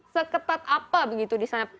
seketat apa begitu di sana